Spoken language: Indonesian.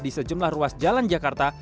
di sejumlah ruas jalan jakarta